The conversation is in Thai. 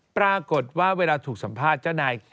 ปรากฏว่าเวลาถูกสัมภาษณ์เจ้านาย